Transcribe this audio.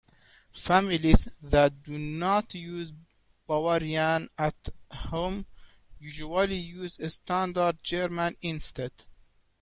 Families that do not use Bavarian at home usually use Standard German instead.